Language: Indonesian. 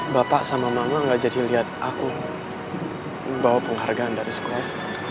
bapak sama mama gak jadi lihat aku membawa penghargaan dari sekolah